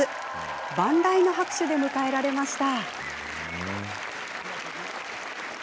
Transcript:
万雷の拍手で迎えられました。